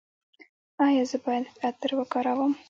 ایا زه باید عطر وکاروم؟